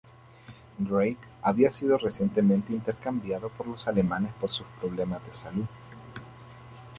Drake había sido recientemente intercambiado por los alemanes por su problemas de salud.